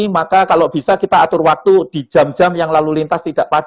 maka kalau bisa kita atur waktu di jam jam yang lalu lintas tidak padat